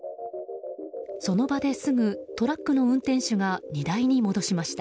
その場ですぐトラックの運転手が荷台に戻しました。